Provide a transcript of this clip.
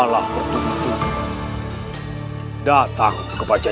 kami disuruh kita meng network